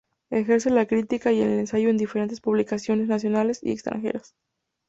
Ejerce la crítica y el ensayo en diferentes publicaciones nacionales y extranjeras.